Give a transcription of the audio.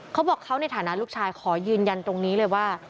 เขาบอกเขาในฐานะลูกชายขอยืนยันตรงนี้เลยว่า